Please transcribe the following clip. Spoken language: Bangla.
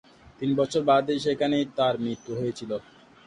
তিন বছর বাদে সেখানেই তাঁর মৃত্যু হয়েছিল।